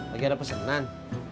lagi ada pesenan